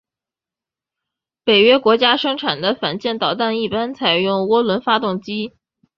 北约国家生产的反舰导弹一般采用涡轮发动机。